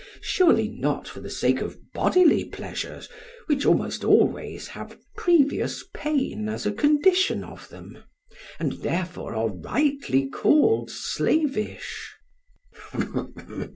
Surely not for the sake of bodily pleasures, which almost always have previous pain as a condition of them, and therefore are rightly called slavish.